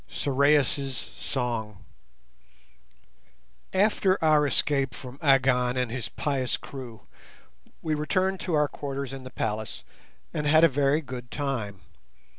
SORAIS' SONG After our escape from Agon and his pious crew we returned to our quarters in the palace and had a very good time.